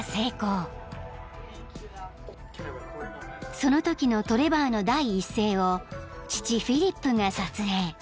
［そのときのトレバーの第一声を父フィリップが撮影。